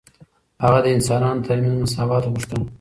هغه د انسانانو ترمنځ مساوات غوښتل.